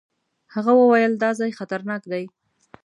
هغه وويل دا ځای خطرناک دی.